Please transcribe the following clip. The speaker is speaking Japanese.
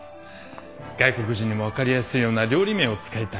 外国人にも分かりやすいような料理名を使いたい。